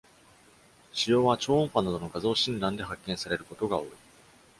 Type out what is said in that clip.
腫瘍は超音波などの画像診断で発見されることが多い。